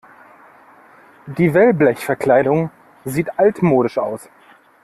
Die Wellblechverkleidung sieht altmodisch aus.